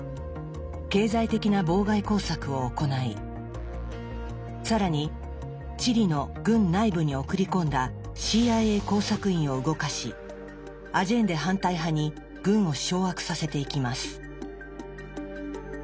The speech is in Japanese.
経済的な妨害工作を行い更にチリの軍内部に送り込んだＣＩＡ工作員を動かしアジェンデ反対派に軍を掌握させていきます。